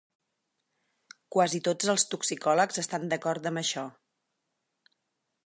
Quasi tots els toxicòlegs estan d'acord amb això.